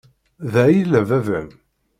Da ay yella baba-m?